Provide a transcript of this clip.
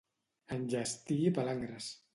Enllestir palangres.